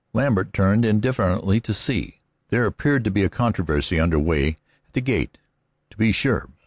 Lambert turned, indifferently, to see. There appeared to be a controversy under way at the gate, to be sure.